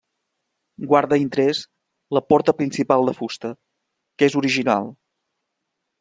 Guarda interès la porta principal de fusta, que és original.